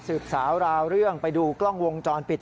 สาวราวเรื่องไปดูกล้องวงจรปิด